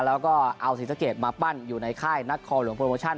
แล้วก็เอาศรีสะเกดมาปั้นอยู่ในค่ายนักคอหลวงโปรโมชั่น